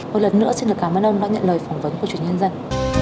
một lần nữa xin được cảm ơn ông đã nhận lời phỏng vấn của truyền nhân dân